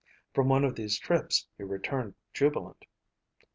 From one of these trips he returned jubilant.